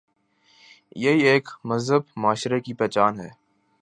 یہی ایک مہذب معاشرے کی پہچان ہے۔